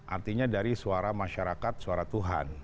artinya dari suara masyarakat suara tuhan